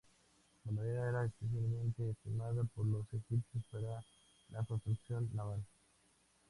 La madera era especialmente estimada por los egipcios para la construcción naval.